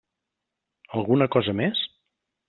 Alguna cosa més?